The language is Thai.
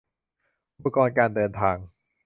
อุปกรณ์การเดินทาง